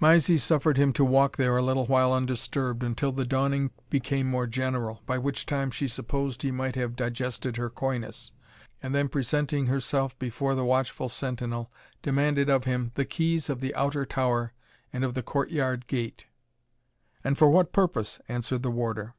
Mysie suffered him to walk there a little while undisturbed, until the dawning became more general, by which time she supposed he might have digested her coyness, and then presenting herself before the watchful sentinel, demanded of him "the keys of the outer tower, and of the courtyard gate." "And for what purpose?" answered the warder.